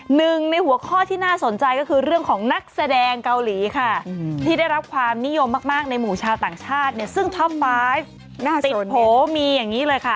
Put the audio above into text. หนึ่งในหัวข้อที่น่าสนใจก็คือเรื่องของนักแสดงเกาหลีค่ะที่ได้รับความนิยมมากในหมู่ชาวต่างชาติเนี่ยซึ่งท่อมบายติดโผล่มีอย่างนี้เลยค่ะ